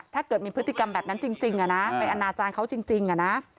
ถ้าเกิดมีพฤติกรรมแบบนั้นจริงไปอนาจารย์เขาจริงอะนะ